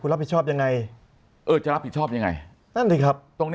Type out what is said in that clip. รับผิดชอบยังไงเออจะรับผิดชอบยังไงนั่นสิครับตรงนี้